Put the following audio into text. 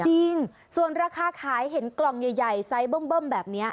จริงส่วนราคาขายเห็นกล่องใหญ่ไซส์เบิ้มแบบนี้